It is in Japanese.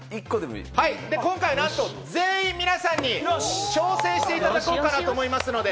今回、なんと全員、皆さんに挑戦していただこうかなと思いますので。